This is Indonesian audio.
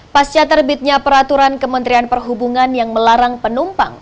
pasca terbitnya peraturan kementerian perhubungan yang melarang penumpang